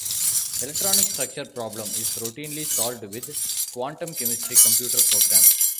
Electronic structure problem is routinely solved with quantum chemistry computer programs.